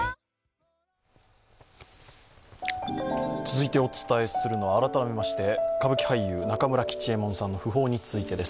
続いてお伝えするのは改めまして歌舞伎俳優、中村吉右衛門さんの訃報についてです。